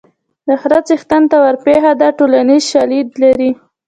د خره څښتن ته ورپېښه ده ټولنیز شالید لري